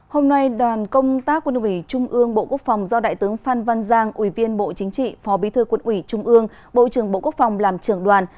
hôm nay đoàn công tác quân ủy trung ương bộ quốc phòng do đại tướng phan văn giang ủy viên bộ chính trị phó bí thư quân ủy trung ương bộ trưởng bộ quốc phòng làm trưởng đoàn